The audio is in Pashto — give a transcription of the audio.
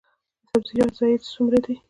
د سبزیجاتو ضایعات څومره دي؟